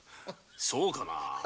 そうかな。